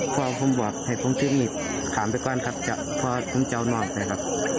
พอผมลงฝืนเนี้๋งมาเสียงปลั๊กอิจินทาล่างลงไปครับ